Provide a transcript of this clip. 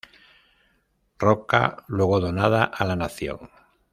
Roca, luego donada a la Nación.